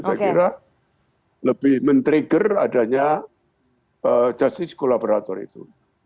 saya kira lebih men trigger adanya justice collaborator itu